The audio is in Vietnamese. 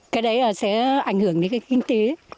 cái đấy sẽ ảnh hưởng đến kinh tế